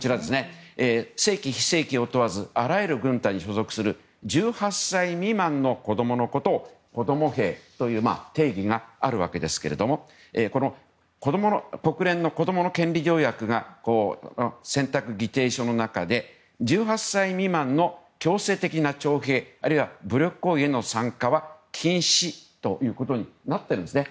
正規、非正規を問わずあらゆる軍隊に所属する１８歳未満の子供のことを子供兵という定義があるわけですが国連の子どもの権利条約が選択議定書の中で１８歳未満の強制的な徴兵あるいは、武力行為への参加は禁止となっているんですね。